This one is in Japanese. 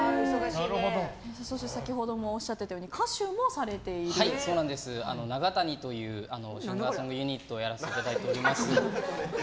そして先ほどもおっしゃっていたようにｎａｇａｔａｎｉというシンガーソングユニットをやらせていただいております。